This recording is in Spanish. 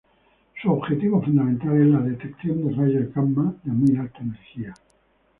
Su objetivo fundamental es la detección de rayos gamma de muy alta energía.